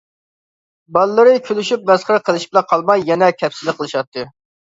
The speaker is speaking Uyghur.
بالىلىرى كۈلۈشۈپ، مەسخىرە قىلىشىپلا قالماي يەنە كەپسىزلىك قىلىشاتتى.